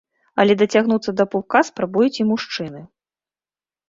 Але дацягнуцца да пупка спрабуюць і мужчыны.